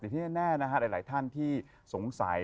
แต่ที่แน่นะฮะหลายท่านที่สงสัย